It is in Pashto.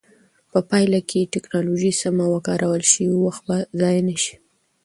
په پایله کې چې ټکنالوژي سمه وکارول شي، وخت به ضایع نه شي.